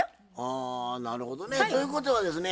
あなるほどね。ということはですね